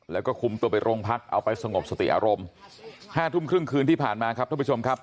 แล้วก็คุมตัวไปโรงพักเอาไปสงบสติอารมณ์ห้าทุ่มครึ่งคืนที่ผ่านมาครับท่านผู้ชมครับ